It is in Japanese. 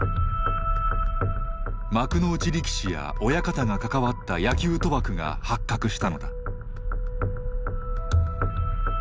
幕内力士や親方が関わった野球賭博が発覚したのだ。